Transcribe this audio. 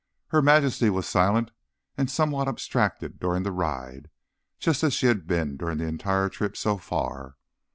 Her Majesty was silent and somewhat abstracted during the ride, just as she had been during the entire trip so far.